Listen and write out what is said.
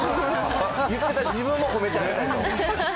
言ってた自分も褒めてあげたい。